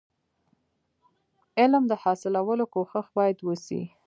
علم د حاصلولو کوښښ باید وسي.